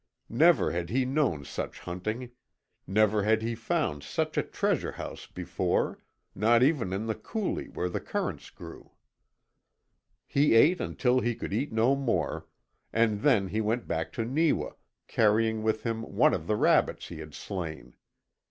Never had he known such hunting, never had he found such a treasure house before not even in the coulee where the currants grew. He ate until he could eat no more, and then he went back to Neewa, carrying with him one of the rabbits he had slain.